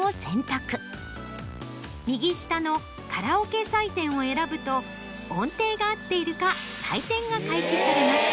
右下のカラオケ採点を選ぶと音程が合っているか採点が開始されます。